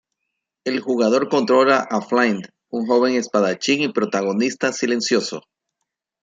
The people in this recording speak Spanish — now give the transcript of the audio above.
El jugador controla a Flint, un joven espadachín y protagonista silencioso.